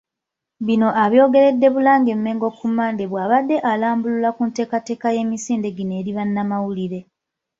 Bino abyogeredde Bulange Mmengo ku Mmande bw'abadde alambulula ku nteekateeka y'emisinde gino eri bannamawulire.